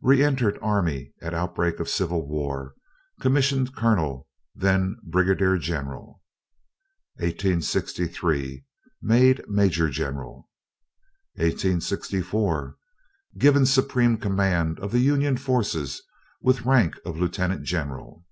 Re entered army at outbreak of Civil War. Commissioned colonel, then brigadier general. 1863. Made major general. 1864. Given supreme command of the Union forces, with rank of lieutenant general.